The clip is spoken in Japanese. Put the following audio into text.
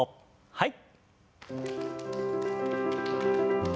はい。